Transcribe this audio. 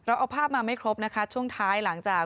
เอาภาพมาไม่ครบนะคะช่วงท้ายหลังจาก